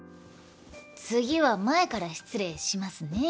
次は前から失礼しますね。